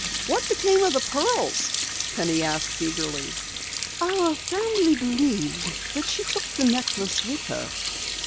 "What became of the pearls?" Penny asked eagerly. "Our family believed that she took the necklace with her.